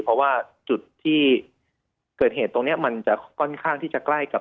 เพราะว่าจุดที่เกิดเหตุตรงนี้มันจะค่อนข้างที่จะใกล้กับ